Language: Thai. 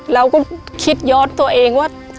เราก็คิดย้อนตัวเองว่า